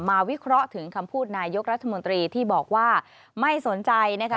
วิเคราะห์ถึงคำพูดนายกรัฐมนตรีที่บอกว่าไม่สนใจนะคะ